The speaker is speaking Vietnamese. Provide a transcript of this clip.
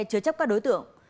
chứa chấp các đối tượng